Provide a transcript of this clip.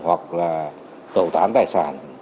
hoặc là tẩu tán tài sản